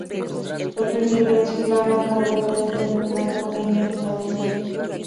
El relieve es plano o levemente ondulado en el oeste.